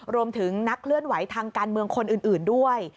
นักเคลื่อนไหวทางการเมืองคนอื่นด้วย